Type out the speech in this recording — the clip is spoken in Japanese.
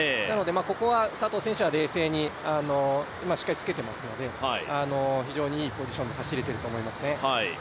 ここは佐藤選手は冷静にしっかり着けていますので非常にいいポジションで走れていると思いますね。